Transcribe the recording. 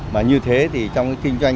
mà như thế thì trong kinh doanh